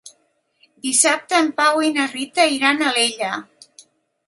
Dissabte en Pau i na Rita iran a Alella.